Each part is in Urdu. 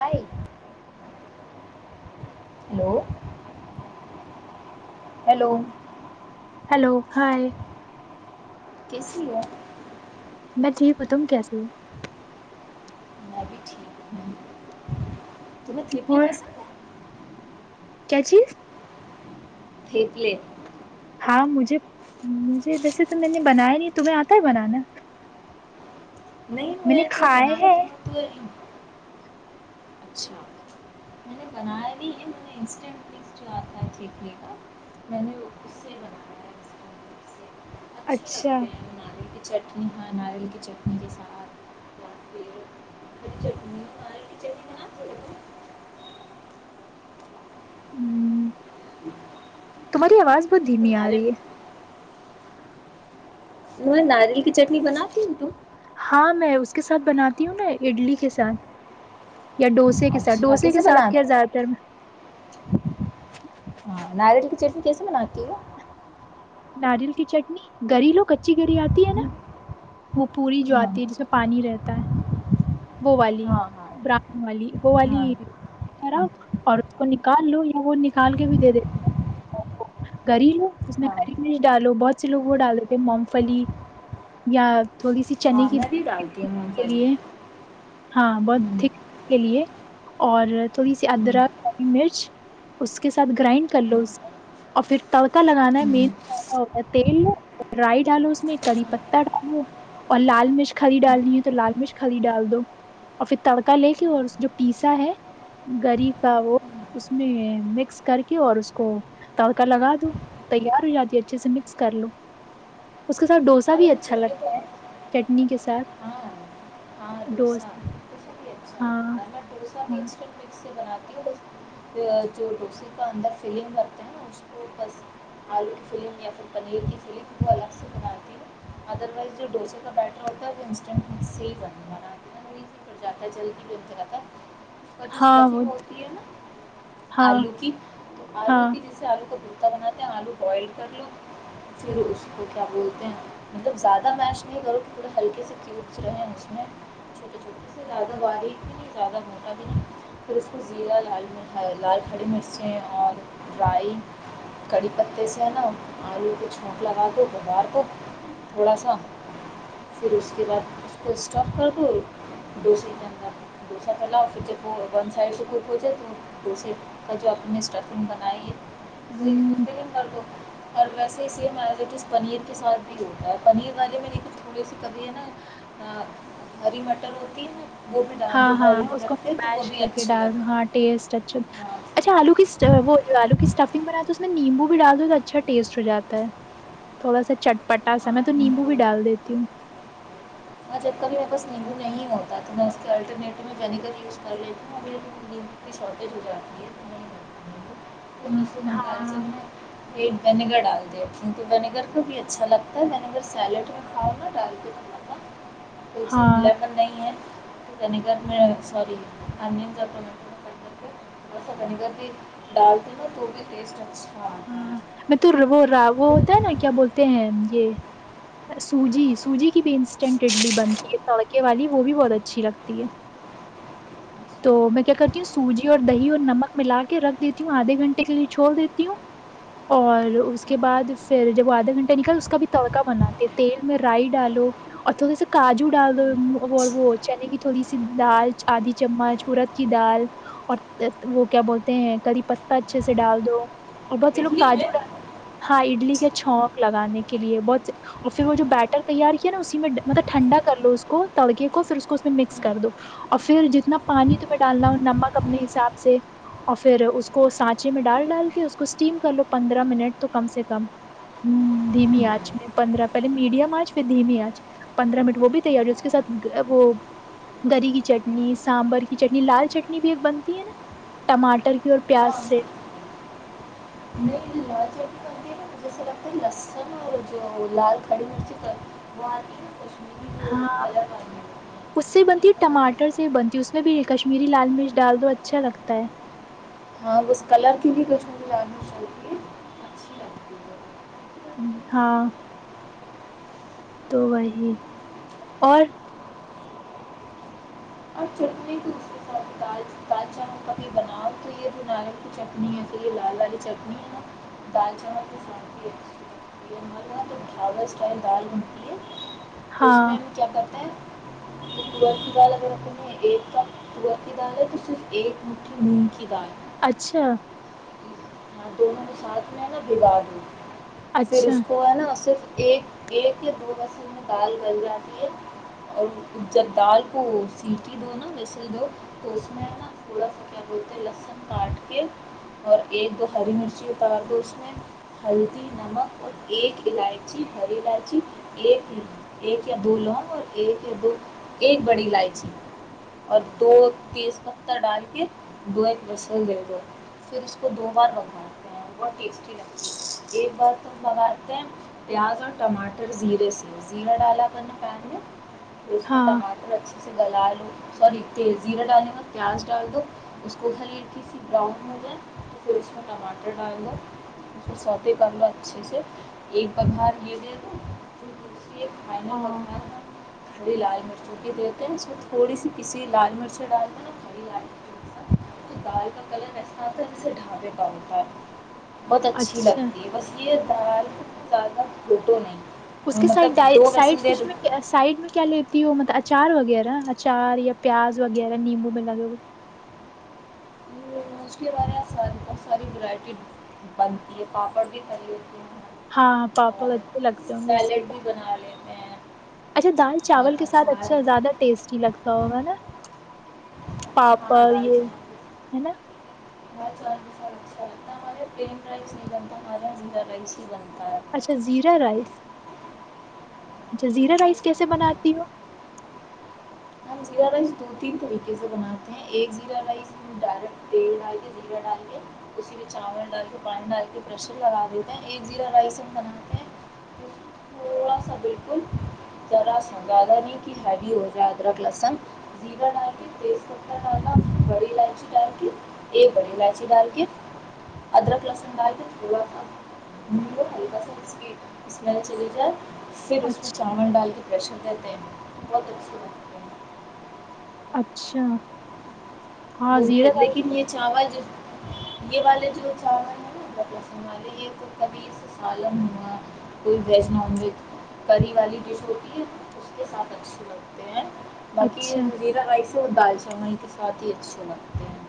bye hello hello hello hi کیس لی ہے میں ٹھیک ہوں تم کیسیے ہو وہ بھی ٹھیک ہوں ت میںیں تھھیپلی اور پس کیا چیز ہییک ل ہاں مجھے مجھے ویسے تو میں نے بنایا نہیں تمہیں آتا ہے بنانا نہیں نے میں تو کھائے ہے بناتی ہوں تو ہی اچھا میں نے بنایا بھی ہے میں نے انسٹنٹ پلیس جو آتا ہے دیکھنے کا میں نے اس سے بنایا ہے اچھے اچھا لگتے ہیںالی کی چٹنی ہاں ناریل کی چٹنی کے ساتھ اور پھر چٹنی ناریل کی ج ہوں تمہاری آواز بہت تم دھیمی آ ناریل رہی ہے میں ناریل کی چٹنی بناتتی ہوں ت ہاں میں اس کے ساتھ بناتی ہوں نا اڈلی کے ساتھ یا ڈوسے کے ساتھ اچھا ڈوسے کے کیسے ساتھ بناتی کیا زیادہ تر میں ہاں ناریل کی چٹنی کیسے بنی گا ناریل کی چٹنی گری لو کچی گری آتی ہے نا وہ پوری جو ہاں آتی ہے جس میں پانی رہتا ہے وہ والی ہاں ہاں براؤن والی وہ ہاں والی کراؤ اور اس کو نکال لو یا وہ نکال کے بھی دے د گری لو اس میں ہاں مرچ ڈالو بہت سے لوگ وہ ڈال دیتے تھے مونگ پھلی یا تھوڑی سی چنے ہاں کی میں بھی ڈالتی ہوں مونگ کے لیے پھلی ہاں بہت تھک کے لیے اور تھوڑی سی ہاں ادرک ک مرچ اس کے ساتھ گرائنڈ کر لو اسے اور پھر توتا لگانا ہے مین ہاں تیل لو ڈرائی ڈالو اس میں کری پتا ڈالو اور لال مرچ خدی ڈالنی ہے تو لال مرچ خدی ڈال دو اور پھر تڑکا لے کے اور جو پیسا ہے گری کا وہ اس میں مکس کر کے اور اس کو تڑکا لگا دو تیار ہو جاتی اچھے سے مکس کر لو اس کے ساتھ ڈوسا ہاں بھی یہ اچھا چٹنی لگتا ہے تو چٹنی کے ساتھ ہاں ہاں ڈوسا ڈوسا بھی اچھا ہاں لگتا ہے میں ڈوسا بھی ہاں انسٹنٹ مکس سے بناتی ہوں بس جو ڈوسے کا اندر فلنگ بتے ہیں نا اس کو بس آلو کی فلنگ یا پھر پنیر کی فلنگ وہ الگ سے بناتی ہے ادر وائز جو ڈوسے کا بیٹر ہوتا ہے وہ انسٹنٹ صی بناتی ن ایزی پ جاتا ہے جلدی بن کر جاتا ہے اور جس ہاں کاف وہ ہوتی ہے نا ہاں آلو کی تو آلو ہاں کی جیسے آ آو کو بتا بناتے ہیں آلو بوائل کر لو پھر اس کو کیا بولتے ہیں مطلب زیادہ میش نہیں کرو کہ تھوڑے ہلکے سے کیوبس رہیں اس میں چھوٹے چھوٹے سے زیادہ باریک بھی نہیں زیادہ مھوٹا بھی نہیں پھر اس کو زیرہ لال لیں لال کڑی مرچیں اور ڈرائی کڑی پتے سے ہے نا آلو کی چونک لگا دو بوار کو تھوڑا سا پھر اس کے بعد اس کو اسٹف کر دو ڈوسے کے اندر ڈوسا پلاؤ پھر جب وہ ون سائڈ سے گپ ہو جائے تو دوے کا جو اپ نے اسٹف رن بنائی ہے ہ وہد اور ویسے اسی ہمارے لی پنیر کے ساتھ بھی ہوتا ہے پنیر والے میںیر تھوڑے سی کبھی ہے نا ہری مٹر ہوتی ہے نا وہ بھی ڈال ہاں دو ہاں بوائلڈ اس کر کو کے تو وہ میش بھی کر کے اچھی ڈال دوں لگتی ہاں ٹیسٹ اچھا ہے اچھا آلو کی وہ آلو کی اسٹفنگ بناائے تو اس نے میں نمبو بھی ڈالو تو اچھا ٹیسٹ ہو جاتا ہے تھوڑا سا چ پٹاسا ہے میں تو ہاں نیمبو بھی ڈال دیتی ہوں ہاں جب کبھی میرے پاس نیمبو نہیں ہوتا تو میں اس کے الٹرنیٹو میں وینیگر یوز کر لیتی ہوں اور نیمبو کی شارٹیج ہو جاتی ہے تو نہیں ہو نبو پن سکم کرال چ ہاں میں ری وینیگر ڈال دیا کیونکہ ونییگر کو بھی اچھا لگتا ہے ونییگر سیلیڈ میں کھاؤ گا ڈال کے کما تو اسے ہاں ملاپ نہیں ہے ونییگر میں سوری انینب میٹر ک کر کے تھوڑا سا ونییگر بھی ڈالتے نا تو بھی ٹیسٹ اچھا آتا ہاں ہے میں تو وہا وہ ہوتا ہے نا کیا بولتے ہیں یہ سوجی سوجی بھی انسٹنٹ اڈلی بنتی ہے سڑکے والی وہ بھی بہت اچھی اچھی لگتی ہے تو میں کیا کرتی ہوں سوجی اور دہی اور نمک ملا کے رکھ دیتی ہوں آدھے گھنٹے کے لیے چھوول دیتی ہوں اور اس کے بعد پھر جب وہ آدھا گھنٹہ نکل اس کا بھی تڑکا بناتے تیل میں رائی ڈالو اور تھوڑے سا کاجو ڈالو اور وہ چنے کی تھوڑی سی دال آدھی چمچ ارد کی دال اور وہ کیا بولتے ہیں کری پتا اچھے سے ڈال دو اور بہت سے لوگ اڈلی میں کاجو ڈال ہاں اڈلی کے چونک لگانے کے لیے بہت سے اور پھر وہ جو بیٹر تیار کیا نا اسی میں مطلب ٹھنڈا کر لو اس کو تڑکے کو پھر اس کو اس میں مکس کر دو اور پھر انا پانی تو میں ڈالنا ہوں نمک اپنے حساب سے اور پھر اس کو سانچے میں ڈال ڈال کے اس کو اسٹیم کر لو پندرہ منٹ تو کم سے کم دھیمی آنچ میں پندرہ پہلے میڈیم آچ پھر دھیمی آنچ پندرہ منٹ وہ بھی تیار ہے اس کے ساتھ وہ گری کی چٹنی سانبر کی چٹنی لال چٹنی بھی ایک بنتی ہے نا ٹماٹر کی اور پیاز سے ہاں نہیں لج لال کھڑی مرچی کر وہ آ ہاں اس سے جسے بنتی ہے تیکھا کرتے ٹماٹر ہیں سے بنتی اس میں بھی کشمیری لال مرچ ڈال دو اچھا لگتا ہے ہاں ب کلر کے بھی کچھ مجھے جانا چاہیے ہاں تو وہی اور اور چٹنی تو اس کے ساتھ دال دال چاول کبھی بناؤ تو یہ جو ناریل کی چٹنی ہےس لیے لال لالی چٹنی ہے نا دال چاوول توسانتی ہے اچھی یہ ہم نا تو ڈھاا اسٹائل دال بنتی ہے تو ہاں اس میں کیا کرتا تو کڑا کی دال اگر اپ میں ایک کپ کڑا کی دال ہے تو صرف ایک مٹھی نونگ کی دال اچھا ہاں دونوں کے ساتھ میں نا بگا دوں پھر اچھا اس کو ہے نا صرف ایک ایک یا دو بصل میں دال گل جاتی ہے اور جب دال کو سیٹی دو نا مسل دو تو اس میں ہے نا تھوڑا سا کیا بولتے ہیں لہسن کاٹ اور ایک دو ہری مرچیتار دو اس میں ہلدی نمک اور ایک الائچی ہری الائچی ایک ایک یا دو لونگ اور ایک یا دو ایک بڑی الائچی اور دو تیز پتتا ڈال کے دو ایک رسل دے دو پھر اس کو دو بار وگاتے ہیں بہت ٹیسٹی لگتی ہے ایک بار تو ہم بگاتے ہیں پیاز اور ٹماٹر زیرے سے زیرہ ڈالا کرنا پیر میں اسس میں ہاں ٹماٹر اچھا جے گل لو سوری زیرہ ڈالنے ب پیاز ڈال دو اس کو ہلی سی براؤن ہو جائے تو پھر اس میں ٹماٹر ڈال دوو اس میں سوتے کر لو اچھے سے ایک بخار یہے دے دو پھرھر اس ایک فائنل ہاں بننا ہے تھوڑی لال مرچوں کی دیتے ہیں اس میں تھوڑی سی کسی لال مرچ ڈال د نا تھوڑی لال مچ دال کا کلر ایسا آتا ہے ان سے ڈھانابے کا ہوتا ہے بہت اچھی اچھا لگتی ہے بس یہ سال زیادہ بوٹو نہیں اس کے سائڈ مطلب دو سائ ویسل دے دو سائڈ میں کیا لیتی ہو ملبچ اچار وغیرہ اچار یا پیاز وغیرہ نیمبو میں لگو گے اس کے بارے میں آ بہت ساری ورائٹی بنتی ہے پاپڑ بھی خے ہاں پاپ اچھے لگتے ہوں گے اس کے سیلیڈ بھی ساتھ بنا لیتے ہیں اچھا دال اور چاول کے ساتھ اچار اچھا زیادہ ٹیسٹی لگتا ہوگا نا پاپ یہ نا ب سب اچھا لگتا ہمارے پل رائس نہیں بنتا ہمارا ہا رائس ہی بنتا ہے اچھا زیرا رائس اچھا پلین زیرا رائس کیسے نہیں بناتی بنتا ہوں ہم زیرہ رائس دو تین طریقے سے بناتے ہیں ایک زیرہ رائس ہم ڈائریکٹ تیل ڈال کے زیرہ ڈال کے اسی میں چاول ڈال کے پانی ڈال کے پریشر لگا دیتے ہیں ایک زیرہ رائس ہم بناتے ہیں تھوڑا سا بالکل ذرا سا زیادہ نہیں کہ ہیوی ہو جاتا ادرک لہسن زیرا ڈال کے تیز پا ڈالا بڑی الائچی ڈال کے ایک بڑی الائچی ڈال کے ادرک لہسن ڈال کے تھوڑا سا م ہلکا سا اس اسل چلی جائے پھر اس میں اچھا چاول ڈال کے پریشر ہیںس اچھا ہاں وہ بھی زیرا ہے رائس لیکن یہ چاول جو یہ والے جو چاول ہیں نا والے یہ کبھی س سالن ہوا کوئی ویج نان ویج کری والی ڈش ہوتی ہے اس کے ساتھ اچھے لگتے ہیں باقی اچھا یہزیرا رس اور دال چان کے ساتھ ہی اچھے چلتے ہیں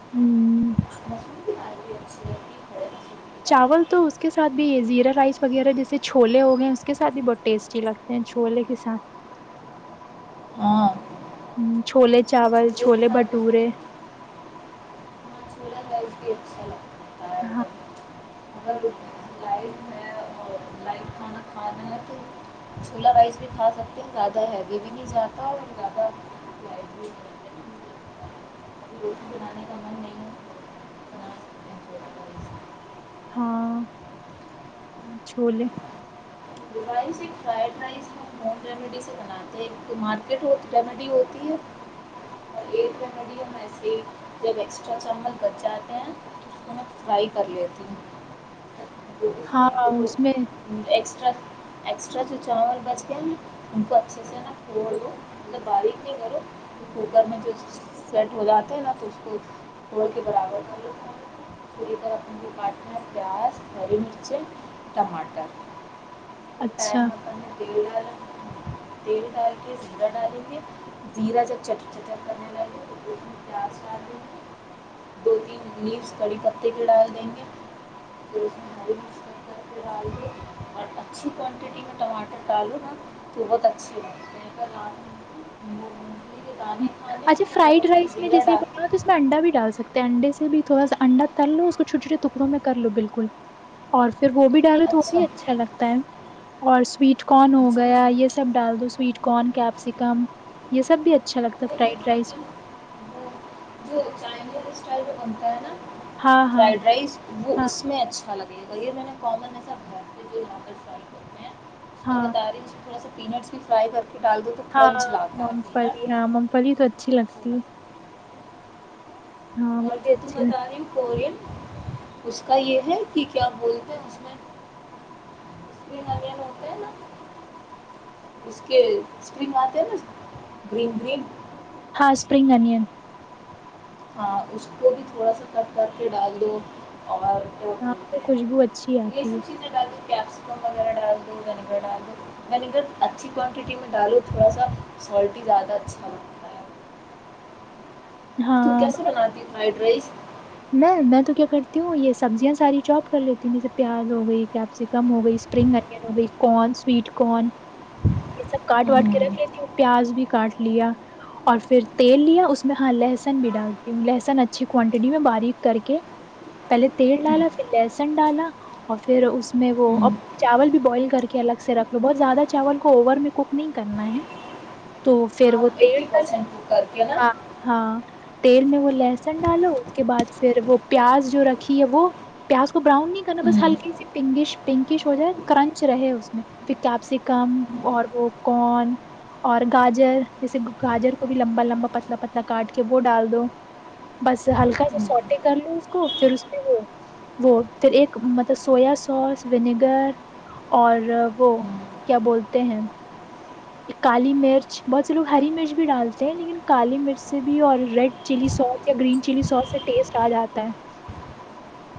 ہوں مسور بھی اچھھی بھی ہے کی چاول دال تو اس کے ساتھ بھی یہ زیرا رائس وغیرہ جیسے چھولے ہو گئے ہیں اس کے ساتھ بھی بہت ٹیسٹی لگتے ہیں چھولے کے ساتھ ہاں ہوں، چھولے چاول کے چھولے ساتھ بھٹورے ہاں چھولا بھی اھ ہاں اگر لٹ میں لائٹ کھانا کھانا ہے تو چھولا رائس بھی کھا سکتے ہیں زیادہ ہیوی بھی نہیں جاتا اور زیادہ ل بھی روٹی بنانے کا من نہیں ہے ہاں ج ہاں چھوولے ر ایک ف ر ریڈی سے بناتے ہیں تو مارکی ریڈی ہوتی ہے اور ایک ریڈی ایسے جب ایکسٹرا چاول ب جاتے ہیں تو اس میں فرائی کر لیتی ہوں ہاں اس میں سٹرا ایکسٹرا جو چاول بچ گئے ہیں نا ان کو اچھے سے نا پھوڑ دو مطلب باریک نہیں کرو کوکر میں جو سیٹ ہو جاتا ہے نا تو اس کو پھوڑ کے برابر کر لو کو پوری طر اپ ان کو کاٹنا ہے پیاز ہری مرچیں ٹماٹر اچھا ٹم اپ میں چ تیل ڈال کے زیرا ڈالیں گے زیرا جب چٹ چٹر کرنے لالیں دو تین پیاز ڈال دیں گے دو تین نیز کڑی پتے کی ڈال دیں گے ج بھی مس کر پ آ گ اور اچھی کوانٹٹی میں ٹماٹر ڈالو نا تو بہت اچھی ہوگی ہے کا لال مونگ پھلی کے دانے کھانے ہیں اچھا تو جب فرائڈ اپن رائس میں زیرہ جیسے ڈال بنا ہو تو اس میں انڈا بھی ڈال سکتے ہیں انڈے سے بھی تو بس انڈا تر لو اس کو چھوٹے چھوے ٹکڑوں میں کر لو بالکل اور پھر وہ بھی ڈالو تو وہ بھی اچھا لگتا ہے اور سویٹ کن ہو اچھا گیا نہیں یہ سب ڈال دو سویٹ کن کیپسیکم یہ سب بھی اچھا لگتا ہے خ فرائڈ رائس جو چ چ بنتا ہے نا ہاں ہاں فرائڈ رائس وہ ہاں اس میں اچھا لگتا میں نے کامن ایسا یہاں پر س کرتے ہیں اس کو ہاں بتا رہی تھوڑا سا پینٹس کی فرائی کر کے ڈال دو تو ہاں کرنچ لاتا ہے مونفلی پینٹ ہاں م پھی تو اچھی لگتی ہے ہاں وہ اور بھی جو تم اچھی بتا لگتی، رہیم کورین اس کا یہ ہے کہ کیا بولتے ہیں اس میںپ ہوتے ہے نا اس کے اسپن آتے ہیں نا گن گ ہاں اسپرنگ انن ہاں اس کو بھی تھوڑا سا کٹ کر کے ڈال دو اور وہ ہاں اس بولتے سے خوشبو اچھی ہیں یہ آتی سب ہے چیزیں ڈالی کیپسیکم وغیرہ ڈال دو وینیگر ڈال دو وینیگر اچھی کوانٹٹی میں ڈالو تھوڑا سا سالٹ ہی زیادہ اچھا ہوگتا ہے تو ہاں کیسا بناتی فرائڈ رائس میں میں تو کیا کرتی ہوں یہ سبزیاں ساری چاپ کر لیتی ہوں جیسے پیاز ہو گئی کیپسیکم ہو گئی اسپرنگ انین ہو گئی کن سویٹ کن یہ سب کاٹ واٹ کے ہوں رکھ لیتی ہوں پیاز بھی کاٹ لیا اور پھر تیل لیا اس میں ہاں لہسن بھی ڈالتی ہوں لہسن اچھی کوانٹٹی میں بال کر کے پہلے تیل ڈالا پھر لہسن ڈالا اور پھر اس میں وہ ہوں چاول بھی بوائل کر کے الگ سے رکھ لو بہت زیادہ چاول کو اوون میں کوک نہیں کرنا ہے تو پھر وہ تیل ڈالا کرتی ہے نا ہاں ہاں تیل میں وہ لہسن ڈالو اس کے بعد پھر وہ پیاز جو رکھی ہے وہ پیاز کو براؤن نہیں کرنا بس ہوں ہلکی سی پنگش پنکش ہو جائے کرنچ رہے اس میں پھر کیپسیکم اور وہ کن اور گاجر جیسے گاجر کو بھی لمبا لمبا پتلا پتلا کاٹ کے وہ ڈال دو بس ہلکا سا سٹ کر لو اس کو پھر اس میں وہ وہ پھر ایک مطلب سویا سوس ونیگر اور وہ کیا بولتے ہیں کالی مرچ بہت سے لوگ ہری مرچ بھی ڈالتے ہیں لیکن کالی مرچ سے بھی اور ریڈ چلی سوس یا گرین چلی سوس سے ٹیسٹ آ جاتا ہے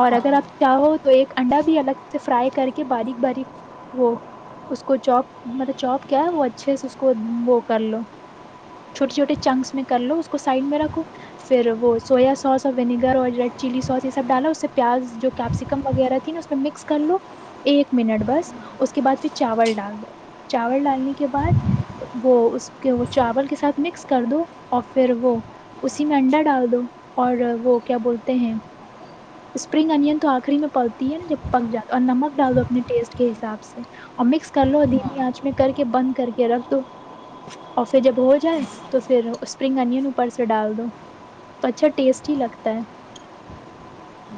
اور ہاں اگر آپ چاہو تو ایک انڈا بھی الگ سے فرائی کر کے باریک باریک وہ اس کو چوپ مطلب چوپ کیا وہ اچھے سے اس کو وہ کر لو چھوٹے چھوٹے چنکس میں کر لو اس کو سائڈ میں رکھو پھر وہ سویا سوس اور ونییگر اور ریڈ چلی سوس یہ سب ڈالو اس سے پیاز جو کیپسیکم وغیرہ تھی نا اس میں مکس کر لو ایک منٹ بس اس کے بعد پھر چاول ڈال دو چاول ڈال نے کے بعد وہ اس کے وہ چاول کے ساتھ مکس کر دو اور پھر وہ اسی میں انڈا ڈال دو اور وہ کیا بولتے ہیں اسپرنگ انین تو آخری میں پلتی ہے نا جب پک جاتا اور نمک ڈال دو اپنے ٹیسٹ کے حساب سے اور مکس کر لو دھیمی ہاں آنچ میں کر کے بند کر کے رکھ دو اور پھر جب ہو جائے تو پھر اسپرنگ انین اوپر سے ڈال دو تو اچھا ٹیسٹ ہی لگتا ہے